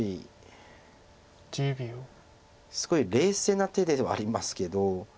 すごい冷静な手ではありますけど。